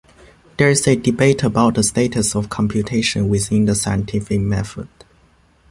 There is a debate about the status of computation within the scientific method.